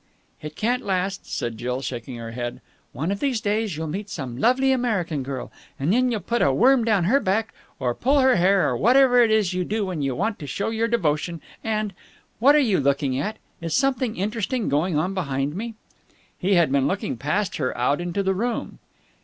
"It can't last," said Jill, shaking her head. "One of these days you'll meet some lovely American girl and then you'll put a worm down her back or pull her hair or whatever it is you do when you want to show your devotion, and.... What are you looking at? Is something interesting going on behind me?" He had been looking past her out into the room.